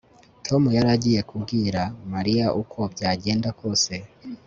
Tom yari agiye kubwira Mariya uko byagenda kose